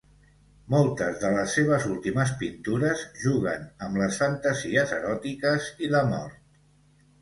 Moltes de les seves últimes pintures juguen amb les fantasies eròtiques i la mort.